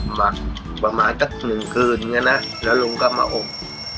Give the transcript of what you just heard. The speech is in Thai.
หมักประมาณสักหนึ่งคืนอย่างนี้นะแล้วลุงก็มาอบ